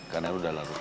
karena udah lalu malam